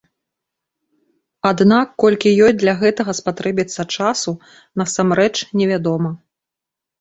Аднак колькі ёй для гэтага спатрэбіцца часу, насамрэч, невядома.